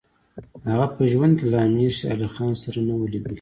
هغه په ژوند کې له امیر شېر علي خان سره نه وو لیدلي.